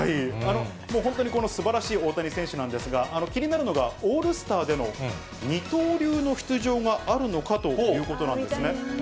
もう本当にこのすばらしい大谷選手なんですが、気になるのがオールスターでの二刀流の出場があるのかということなんですね。